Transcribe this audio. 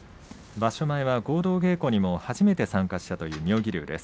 場所前は合同稽古に初めて参加したという妙義龍です。